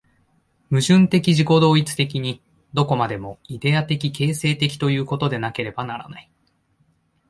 矛盾的自己同一的に、どこまでもイデヤ的形成的ということでなければならない。